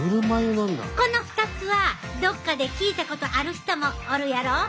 この２つはどっかで聞いたことある人もおるやろ。